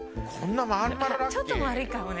ちょっと丸いかもね。